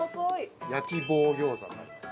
焼棒餃子になります。